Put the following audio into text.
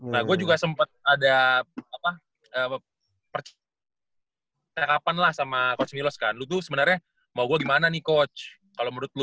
nah gua juga sempet ada apa apa percaya kapan lah sama coach milos kan lu tuh sebenarnya mau gua gimana nih coach kalo menurut lu